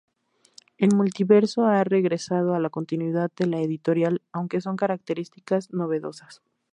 El Multiverso ha regresado a la continuidad de la editorial, aunque con características novedosas.